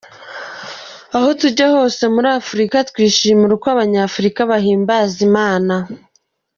Aho tujya hose muri Afurika twishimira uko abanyafurika bahimbaza Imana.